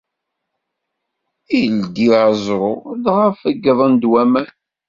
Ildi aẓru, dɣa feggḍen-d waman.